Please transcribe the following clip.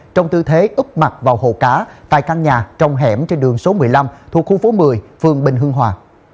trong tư thế úp mặt vào hồ cá tại căn nhà trong hẻm trên đường số một mươi năm thuộc khu phố một mươi phường bình hương hòa